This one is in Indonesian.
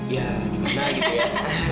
ya gimana gitu ya